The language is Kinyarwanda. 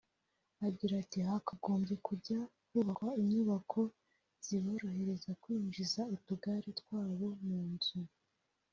Agira ati "Hakagombye kujya hubakwa inyubako ziborohereza kwinjiza utugare twabo mu nzu